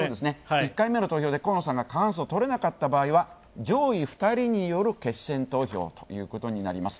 １回目の投票で河野さんが過半数をとれなかった場合は上位２人による決選投票ということになります。